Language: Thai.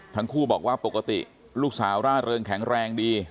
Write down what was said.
ทั้งคู่บอกว่าปกติลูกสาวร่าเริงแข็งแรงดี